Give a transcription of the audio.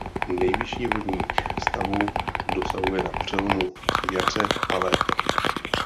Nejvyšších vodních stavů dosahuje na přelomu jaře a léta.